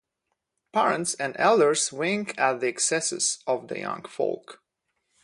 Parents and elders wink at the excesses of the young folk.